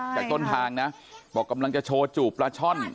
จากต้นทางนะบอกกำลังจะโชว์จูบปลาช่อน